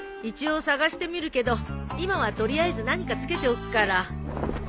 一応捜してみるけど今は取りあえず何か付けておくから。